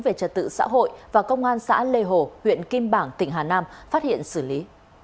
về trật tự xã hội và công an xã lê hồ huyện kim bảng tỉnh hà nam phát hiện xử lý